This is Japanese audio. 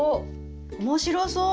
面白そう！